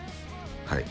はい。